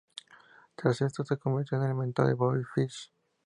Tras esto, se convirtió en el mentor de Bobby Fish.